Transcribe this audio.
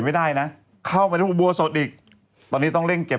ไม่ได้นะเข้าไปในอุโบสถอีกตอนนี้ต้องเร่งเก็บ